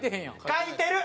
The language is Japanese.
書いてる。